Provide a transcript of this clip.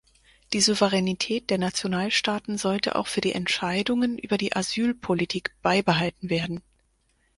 Die Souveränität der Nationalstaaten sollte auch für die Entscheidungen über die Asylpolitik beibehalten werden.